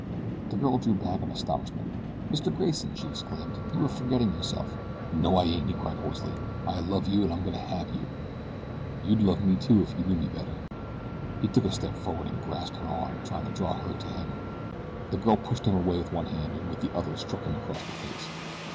The girl drew back in astonishment. "Mr. Grayson!" she exclaimed. "You are forgetting yourself." "No I ain't," he cried hoarsely. "I love you an' I'm goin' to have you. You'd love me too ef you knew me better." He took a step forward and grasped her arm, trying to draw her to him. The girl pushed him away with one hand, and with the other struck him across the face.